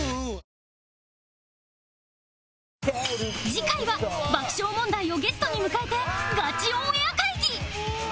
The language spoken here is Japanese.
次回は爆笑問題をゲストに迎えてガチオンエア会議！